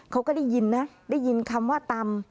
เขาก็ได้ยินนะได้ยินคำว่าตำ